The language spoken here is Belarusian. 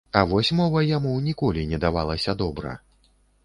А вось мова яму ніколі не давалася добра.